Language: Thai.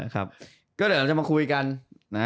ก็เลยเราจะมาคุยกัน